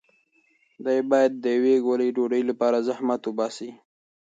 دی باید د یوې ګولې ډوډۍ لپاره ډېر زحمت وباسي.